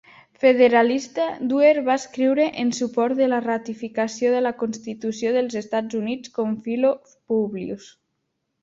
Federalista, Duer va escriure en suport de la ratificació de la Constitució dels Estats Units com Philo-Publius.